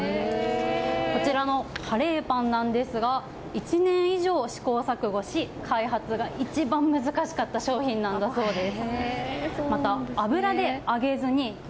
こちらのカレーパンですが１年以上、試行錯誤し開発が一番難しかった今日は家族でキャンプです。